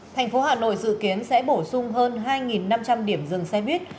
thành phố hà nội dự kiến sẽ bổ sung hơn hai năm trăm linh điểm dừng xe buýt